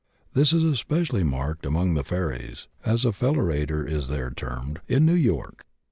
This is especially marked among the "fairies" (as a fellator is there termed) in New York.